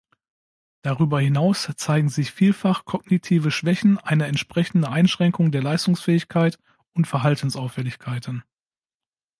Darüber hinaus zeigen sich vielfach kognitive Schwächen, eine entsprechende Einschränkung der Leistungsfähigkeit und Verhaltensauffälligkeiten.